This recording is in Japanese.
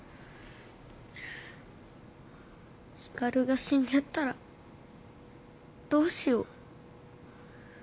光が死んじゃったらどうしよう。